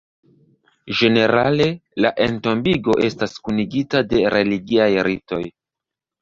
Ĝenerale, la entombigo estas kunigita de religiaj ritoj.